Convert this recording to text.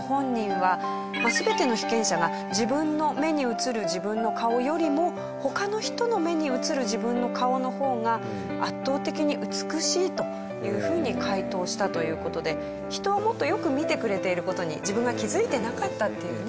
全ての被験者が自分の目に映る自分の顔よりも他の人の目に映る自分の顔の方が圧倒的に美しいというふうに回答したという事で人はもっと良く見てくれている事に自分が気づいてなかったっていうね。